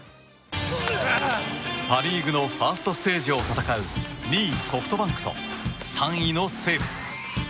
パ・リーグのファーストステージを戦う２位、ソフトバンクと３位の西武。